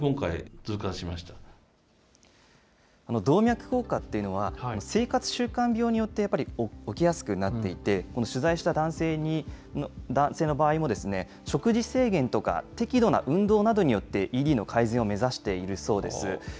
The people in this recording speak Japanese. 動脈硬化っていうのは、生活習慣病によってやっぱり起きやすくなっていて、この取材した男性の場合も、食事制限とか、適度な運動などによって、ＥＤの改善を目指しているそうです。